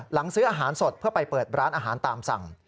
ซื้ออาหารสดเพื่อไปเปิดร้านอาหารตามสั่ง